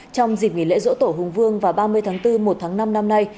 trong dịp nghỉ lễ rỗ tổ hùng vương vào ba mươi tháng bốn một tháng năm năm nay